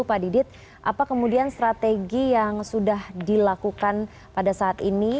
pak didit apa kemudian strategi yang sudah dilakukan pada saat ini